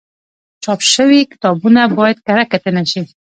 چاپ شوي کتابونه باید کره کتنه شي.